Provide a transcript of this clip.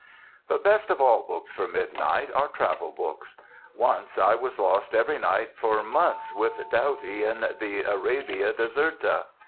But best of all books for midnight are travel books. Once I was lost every night for months with Doughty in the "Arabia Deserta."